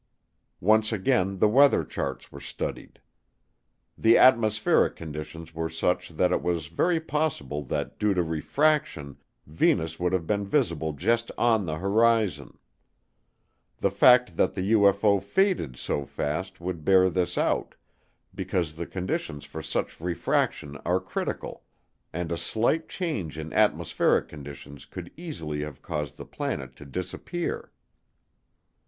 Once again the weather charts were studied. The atmospheric conditions were such that it was very possible that due to refraction Venus would have been visible just on the horizon. The fact that the UFO faded so fast would bear this out because the conditions for such refraction are critical and a slight change in atmospheric conditions could easily have caused the planet to disappear.